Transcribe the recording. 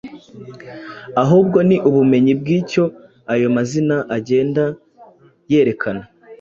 Ahubwo ni ubumenyi bw'icyo ayo mazina agenda yerekana,